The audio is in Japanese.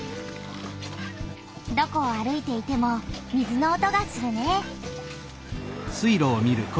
どこを歩いていても水の音がするね！